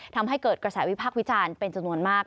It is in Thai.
ทำให้เกิดกระแสวิพักษ์วิจารณ์เป็นจำนวนมาก